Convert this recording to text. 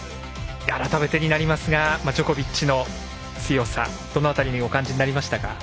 改めてになりますがジョコビッチの強さどの辺りにお感じになりましたか？